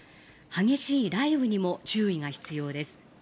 激しい雷雨にも注意が必要です。